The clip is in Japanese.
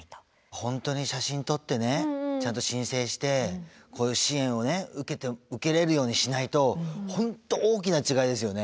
本当に写真撮ってねちゃんと申請してこういう支援を受けれるようにしないと本当大きな違いですよね。